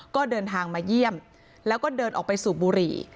ก็เดินทางมาเยี่ยมแล้วก็เดินออกไปสูบบุหรี่